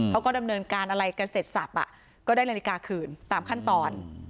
เขาก็ดำเนินการอะไรกันเสร็จสับก็ได้นาฬิกาคืนตามขั้นตอน